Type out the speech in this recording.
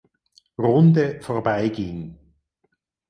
Runde vorbeiging.